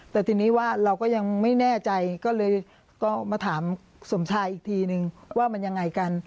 แต่ทีนี้ว่าเราก็ยังไม่แน่ใจก็เลยก็มาถามสมชายอีกทีนึงว่ามันยังไงกัน